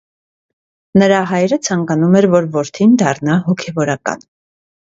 Նրա հայրը ցանկանում էր, որ որդին դառնա հոգևորական։